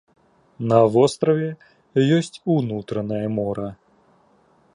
На востраве ёсць унутранае мора.